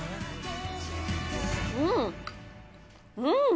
うんうん。